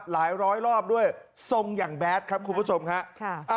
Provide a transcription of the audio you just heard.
ร้อยรอบด้วยทรงอย่างแบดครับคุณผู้ชมครับ